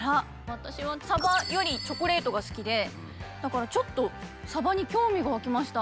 私はサバよりチョコレートが好きでだからちょっとサバに興味が湧きました。